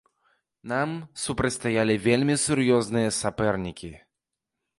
Нам супрацьстаялі вельмі сур'ёзныя сапернікі.